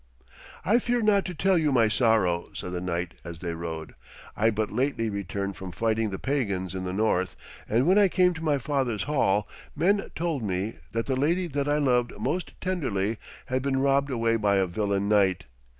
'I fear not to tell you my sorrow,' said the knight as they rode. 'I but lately returned from fighting the pagans in the north, and when I came to my father's hall, men told me that the lady that I loved most tenderly had been robbed away by a villain knight.